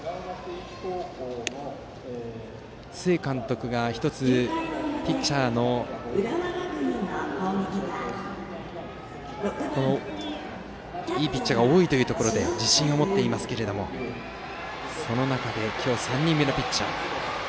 須江監督が、いいピッチャーが多いということで自信を持っていますけれどもその中で今日３人目のピッチャー。